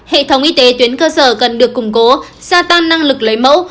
hệ thống y tế tuyến cơ sở cần được củng cố gia tăng năng lực lấy mẫu